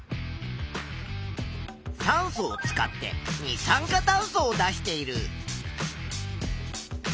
酸素を使って二酸化炭素を出している。